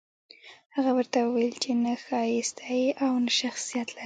هغه ورته وويل چې نه ښايسته يې او نه شخصيت لرې.